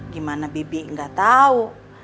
gimana bibi nggak tau